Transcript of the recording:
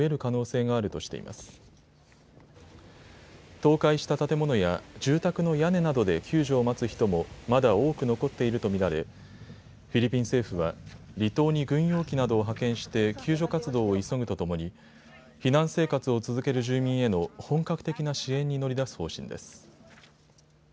倒壊した建物や住宅の屋根などで救助を待つ人もまだ多く残っていると見られフィリピン政府は離島に軍用機などを派遣して救助活動を急ぐとともに避難生活を続ける住民への本格的な支援に乗り出す方針です。